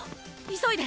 急いで！